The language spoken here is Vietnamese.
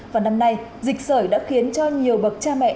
và năm nay dịch sởi đã khiến cho nhiều bậc cha mẹ